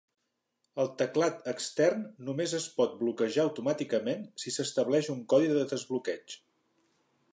El teclat extern només es pot bloquejar automàticament si s'estableix un codi de desbloqueig.